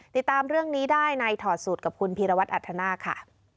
ติดตามเรื่องนี้ได้ในถอดสูตรกับคุณพีรวัตรอัธนาคค่ะ